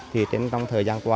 thì trong thời gian qua